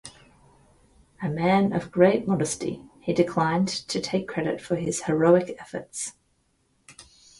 A man of great modesty, he declined to take credit for his heroic efforts.